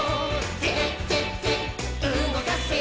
「てててうごかせ」